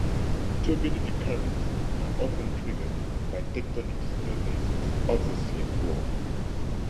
Turbidity currents are often triggered by tectonic disturbances of the sea floor.